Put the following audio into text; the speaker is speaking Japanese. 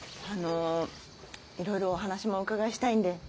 あのいろいろお話もお伺いしたいんで。